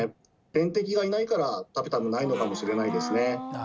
天敵がいないからタペタムないのかもしれないですね。